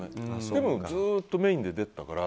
でも、ずっとメインで出ていたから。